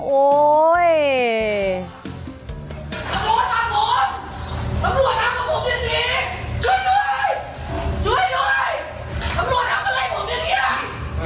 โอ้ยยยย